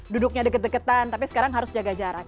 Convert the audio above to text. duduknya deket deketan tapi sekarang harus jaga jarak